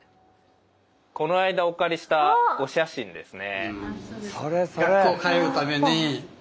この間お借りしたお写真ですね。